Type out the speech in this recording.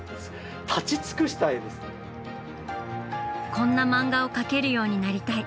こんな漫画を描けるようになりたい。